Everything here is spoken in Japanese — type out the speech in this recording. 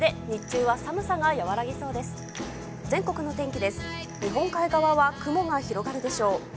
日本海側は雲が広がるでしょう。